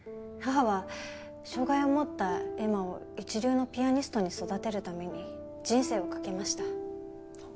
母は障害を持った恵麻を一流のピアニストに育てるために人生を懸けました。